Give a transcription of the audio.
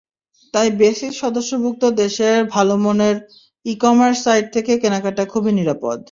তাই বেসিস সদস্যভুক্ত দেশের ভালোমানের ই-কমার্স সাইট থেকে কেনাকাটা খুবই নিরাপদ।